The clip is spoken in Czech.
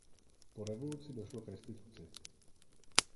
Po revoluci došlo k restituci.